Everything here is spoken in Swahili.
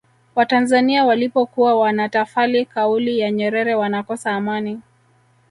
watanzania walipokuwa wanatafali kauli ya nyerere wanakosa amani